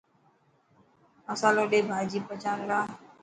مصالو ڌي ڀاڄي پچائڻ لاءِ.